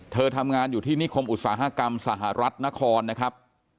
เธอทำงานอยู่ที่นิคมอุตสาหกรรมสหรัฐนครนะครับ